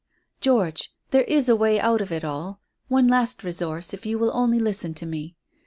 "George, there is a way out of it all; one last resource if you will only listen to me.